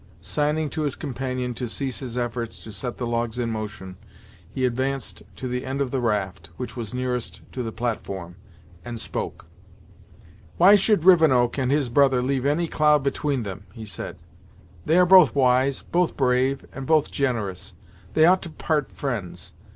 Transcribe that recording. Signing to his companion to cease his efforts to set the logs in motion, he advanced to the end of the raft which was nearest to the platform, and spoke. "Why should Rivenoak and his brother leave any cloud between them," he said. "They are both wise, both brave, and both generous; they ought to part friends.